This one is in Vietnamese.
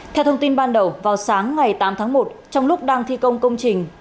theo thông tin ban đầu vào sáng ngày tám tháng một trong lúc đang thi công công trình